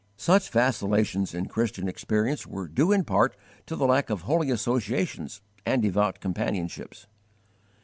Such vacillations in Christian experience were due in part to the lack of holy associations and devout companionships.